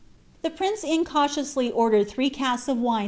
The prince incautiously ordered three casks of wine ix Holmtlied.